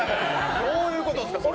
どういうことですか、それ。